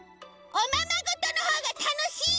おままごとのほうがたのしい！